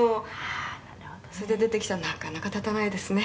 「それで出てきたらなかなか建たないですね」